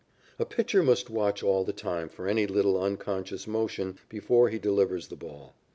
A pitcher must watch all the time for any little unconscious motion before he delivers the ball.